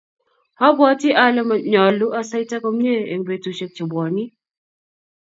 obwoti ale nyoluu asaita komie eng betusiek chebwoni